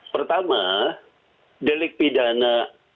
pertama delik pidana